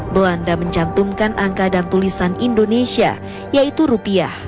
belanda mencantumkan angka dan tulisan indonesia yaitu rupiah